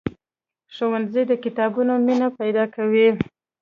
ښوونځی د کتابونو مینه پیدا کوي.